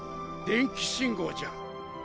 電気信号じゃ。